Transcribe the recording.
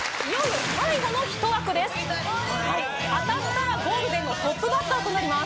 当たったらゴールデンのトップバッターとなります